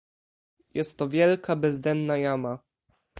"Jest to wielka, bezdenna jama."